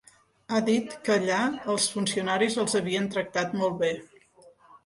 Ha dit que allà els funcionaris els havien tractar molt bé.